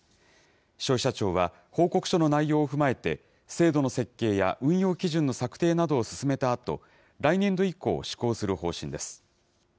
消費者庁は、報告書の内容を踏まえて、制度の設計や運用基準の策定などを進めたあと、来年度以降、施行する方針です。